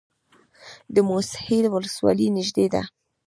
د موسهي ولسوالۍ نږدې ده